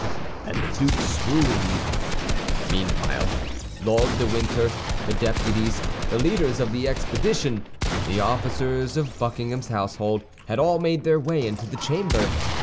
And the duke swooned. Meanwhile, Lord de Winter, the deputies, the leaders of the expedition, the officers of Buckingham's household, had all made their way into the chamber.